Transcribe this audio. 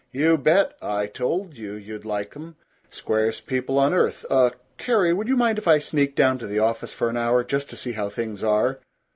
"You bet. I told you you'd like 'em. Squarest people on earth. Uh, Carrie Would you mind if I sneaked down to the office for an hour, just to see how things are?"